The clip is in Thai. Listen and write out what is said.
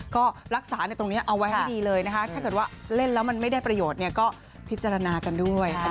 ก็รักษาในตรงนี้เอาไว้ให้ดีเลยนะคะถ้าเกิดว่าเล่นแล้วมันไม่ได้ประโยชน์เนี่ยก็พิจารณากันด้วย